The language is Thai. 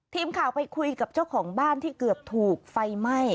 ทีมข่าวไปคุยกับเจ้าของบ้านที่เกือบถูกไฟไหม้